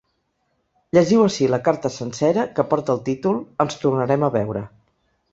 Llegiu ací la carta sencera, que porta el títol ‘Ens tornarem a veure’.